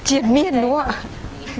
chuyển miền đúng không ạ